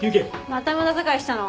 また無駄遣いしたの？